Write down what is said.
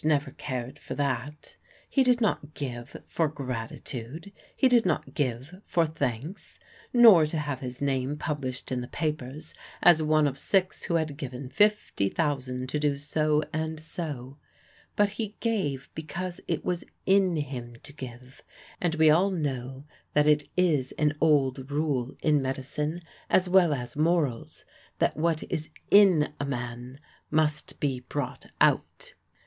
never cared for that. He did not give for gratitude; he did not give for thanks, nor to have his name published in the papers as one of six who had given fifty thousand to do so and so; but he gave because it was in him to give, and we all know that it is an old rule in medicine, as well as morals, that what is in a man must be brought out.